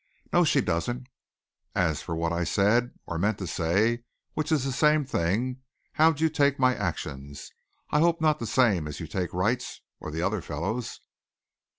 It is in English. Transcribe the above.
"No she doesn't. As for what I said, or meant to say, which is the same thing, how'd you take my actions? I hope not the same as you take Wright's or the other fellow's."